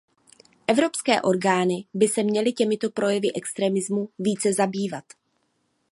Evropské orgány by se měly těmito projevy extremismu více zabývat.